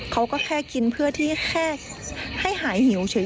เขาก็แค่กินเพื่อที่แค่ให้หายหิวเฉย